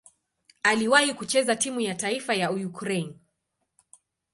Aliwahi kucheza timu ya taifa ya Ukraine.